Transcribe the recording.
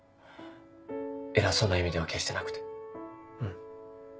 偉そうな意味では決してなくてうん。